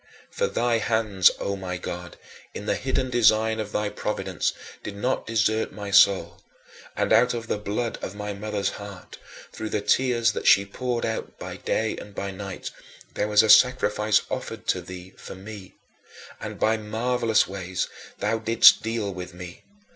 For thy hands, O my God, in the hidden design of thy providence did not desert my soul; and out of the blood of my mother's heart, through the tears that she poured out by day and by night, there was a sacrifice offered to thee for me, and by marvelous ways thou didst deal with me.